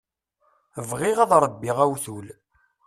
Bɣiɣ ad ṛebbiɣ awtul.